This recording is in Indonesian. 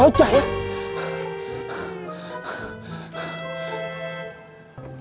jangan jangan dia kesitu tuh